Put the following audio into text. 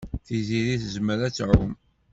Tiziri tezmer ad tɛum.